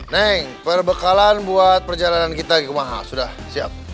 neng perbekalan buat perjalanan kita ke maha sudah siap